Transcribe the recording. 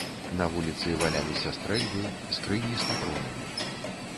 На вуліцы валяліся стрэльбы, скрыні з патронамі.